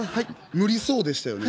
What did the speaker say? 無理そうでしたよね。